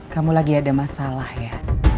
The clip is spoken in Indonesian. kamu lagi ada masalah ya